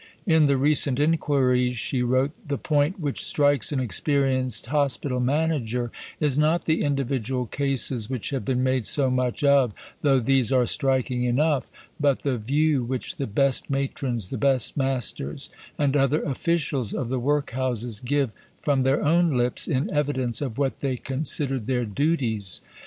"In the recent inquiries," she wrote, "the point which strikes an experienced hospital manager is not the individual cases which have been made so much of (though these are striking enough), but the view which the best Matrons, the best Masters, and other officials of the workhouses give from their own lips (in evidence) of what they considered their duties.